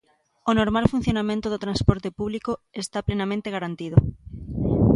O normal funcionamento do transporte público está plenamente garantido.